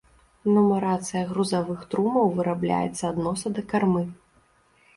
Нумарацыя грузавых трумаў вырабляецца ад носа да кармы.